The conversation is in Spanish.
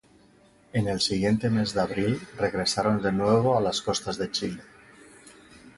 En el siguiente mes de abril regresaron de nuevo a las costas de Chile"".